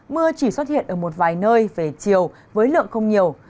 mưa chỉ xuất hiện ở một vài nơi về chiều với lượng không nhiều